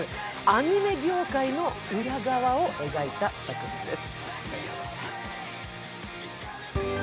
アニメ業界の裏側を描いた作品です。